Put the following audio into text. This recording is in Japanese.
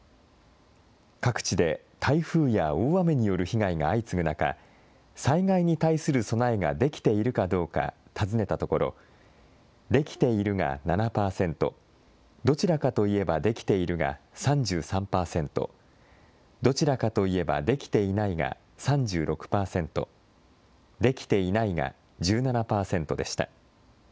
各地で台風や大雨による被害が相次ぐ中、災害に対する備えができているかどうか尋ねたところ、できているが７％、どちらかといえばできているが３３％、どちらかといえばできていないが３６％、できていないが１７％でした。